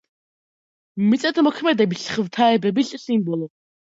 მიწადმოქმედების ღვთაებების სიმბოლო.